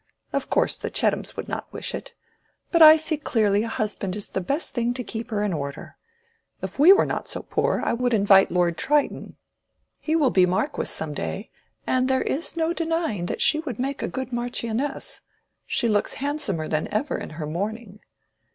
Of course the Chettams would not wish it. But I see clearly a husband is the best thing to keep her in order. If we were not so poor I would invite Lord Triton. He will be marquis some day, and there is no denying that she would make a good marchioness: she looks handsomer than ever in her mourning."